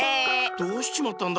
どうしちまったんだ？